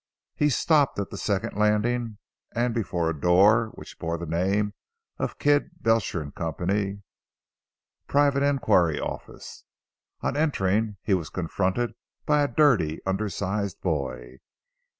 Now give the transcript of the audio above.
He stopped at the second landing and before a door, which bore the name of Kidd, Belcher & Co, Private Inquiry Office. On entering he was confronted by a dirty undersized boy.